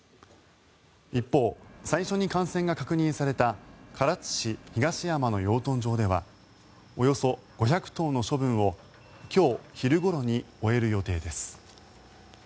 一方、最初に感染が確認された唐津市東山の養豚場ではおよそ５００頭の処分を今日昼ごろに終える予定です。